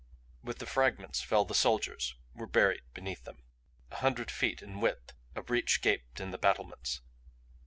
With the fragments fell the soldiers; were buried beneath them. A hundred feet in width a breach gaped in the battlements.